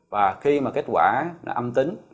và khi mà kết quả nó âm tính